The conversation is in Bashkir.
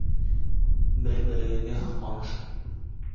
Бер-берегеҙгә һоҡланышып.